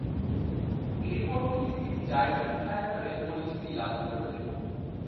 এরপর থেকে তিনি যাইদুল খাইর নামে পরিচিতি লাভ করলেন।